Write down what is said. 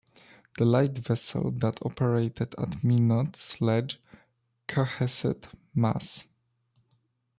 The lightvessel that operated at Minots Ledge, Cohasset, Mass.